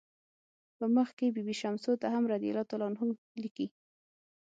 په مخ کې بي بي شمسو ته هم "رضی الله عنه" لیکي.